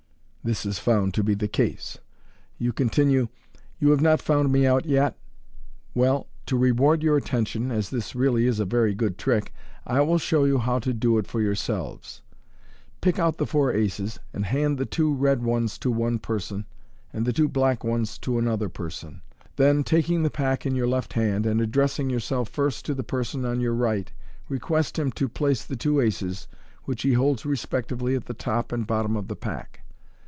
This is found to be the case. You continue, " You have not found me out yet ? Well, to reward your attention, as this really is a very good trick, I will show you how to do it for yourselves." Pick out the four aces, and hand the two red ones to one person, and the two black ones to another person. Then, taking the pack in your left hand, and addressing yourself first to the person on youi right, request him to place the two aces which he holds respectively at the top and bottom of the pack.